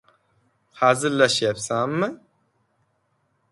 -Hazillashyapsanmi?